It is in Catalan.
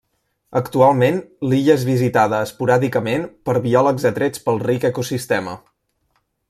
Actualment l'illa és visitada esporàdicament per biòlegs atrets pel ric ecosistema.